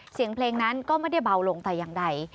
เสียงเพลงนั้นก็ไม่ได้เบาลงแต่อย่างใด